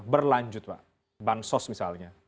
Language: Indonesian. berlanjut pak bansos misalnya